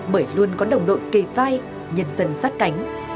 bởi luôn có đồng đội kề vai nhân dân sát cánh